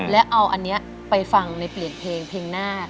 และเอาอันนี้ไปฟังในเปลี่ยนเพลงเพลงหน้า